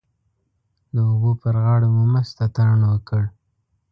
د اوبو پر غاړه مو مست اتڼ وکړ.